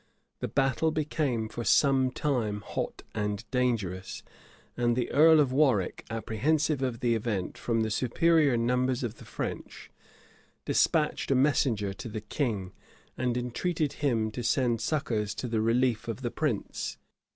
The battle became for some time hot and dangerous, and the earl of Warwick, apprehensive of the event, from the superior numbers of the French, despatched a messenger to the king, and entreated him to send succors to the relief of the prince.